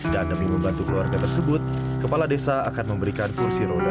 dan demi membantu keluarga tersebut kepala desa akan memberikan kursi roda